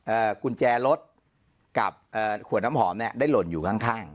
อ่ากุญแจรถกับขวดน้ำหอมเนี่ยได้หล่นอยู่ข้าง